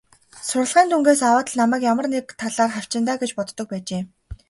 Сурлагын дүнгээс аваад л намайг ямар нэг талаар хавчина даа гэж боддог байжээ.